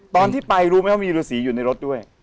ตอนที่ไปรู้ไหมว่ามีฤษีอยู่ในรถด้วย